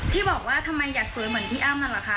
ที่บอกว่าทำไมอยากสวยเหมือนพี่อ้ำนั่นแหละคะ